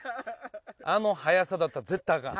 あの速さだったら絶対あかん。